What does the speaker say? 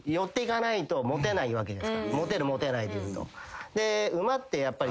モテるモテないで言うと。